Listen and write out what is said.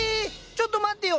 ちょっと待ってよ！